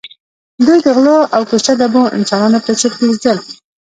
دوی د غلو او کوڅه ډبو انسانانو په څېر ګرځېدل